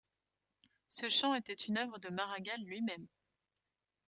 Ce chant était une œuvre de Maragall lui-même.